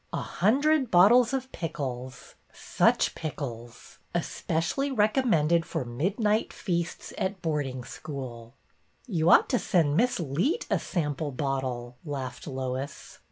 A hundred bottles of pickles, — such pickles ! Especially rec ommended for midnight feasts at boarding school !" You ought to send Miss Leet a sample bottle," laughed Lois.